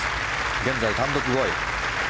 現在、単独５位。